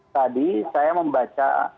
tadi saya membaca